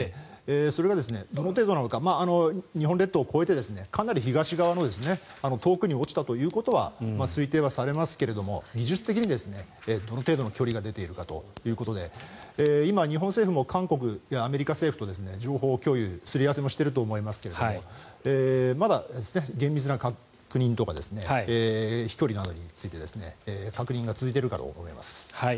それがどの程度なのか日本列島を越えてかなり東側の遠くに落ちたということは推定はされますが技術的にどの程度の距離が出ているかということで今、日本政府も韓国やアメリカ政府と情報共有、すり合わせをしていると思いますがまだ厳密な確認とか飛距離などについて確認が続いているだろうと思います。